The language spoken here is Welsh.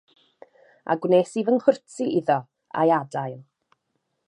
A gwnes i fy nghwrtsi iddo a'i adael.